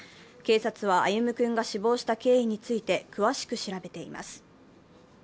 警察は歩夢君が死亡した経緯について詳しく調べています。